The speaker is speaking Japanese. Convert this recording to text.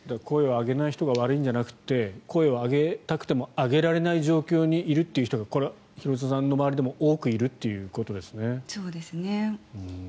声を上げない人が悪いんじゃなくて声を上げたくても上げられない状況にいるという人がこれは廣津留さんの周りでも多くいるということですね。